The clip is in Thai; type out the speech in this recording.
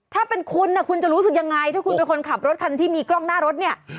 ถ้าเป็นคุณคุณจะรู้สึกยังไงถ้าคุณเป็นคนขับรถคันที่มีกล้องหน้ารถเนี่ย